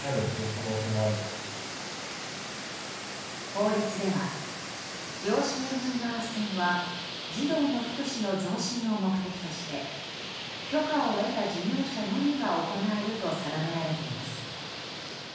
法律では養子縁組のあっせんは児童の福祉の増進を目的として許可を得た事業者のみが行えると定められています。